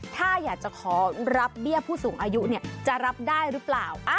ถ้าอยากจะขอรับเบี้ยผู้สูงอายุจะรับได้หรือเปล่า